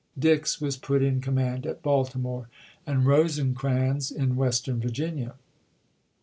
Dix was put in com mand at Baltimore, and Rosecrans in Western Virginia.